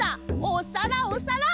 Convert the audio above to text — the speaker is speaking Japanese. おさらおさら！